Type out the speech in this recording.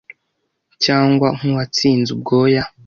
Cyangwa nk'uwatsinze ubwoya